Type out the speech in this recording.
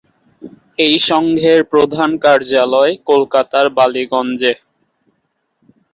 এই সংঘের প্রধান কার্যালয় কলকাতার বালীগঞ্জে।